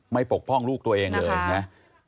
ไม่ปกป้องลูกตัวเองเลยนะครับ